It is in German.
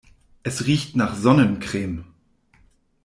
Es riecht nach Sonnencreme.